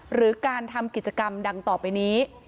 หรือการทำกิจกรรมดังต่อไปนี้